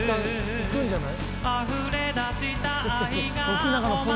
いくんじゃない？